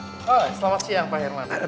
selamat siang pak herman